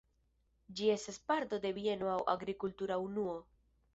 Ĝi estas parto de bieno aŭ agrikultura unuo.